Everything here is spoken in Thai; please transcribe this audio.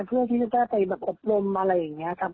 เพื่อที่จะกล้าไปแบบอบรมอะไรอย่างนี้ครับ